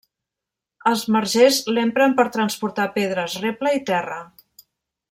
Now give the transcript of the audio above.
Els margers l'empren per transportar pedres, reble i terra.